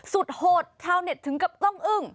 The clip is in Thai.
โหดชาวเน็ตถึงกับต้องอึ้ง